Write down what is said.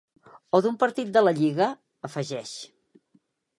O d’un partit de la lliga?, afegeix.